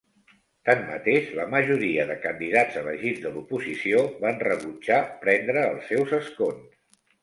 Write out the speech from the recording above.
Tanmateix, la majoria de candidats elegits de l'oposició van rebutjar prendre els seus escons.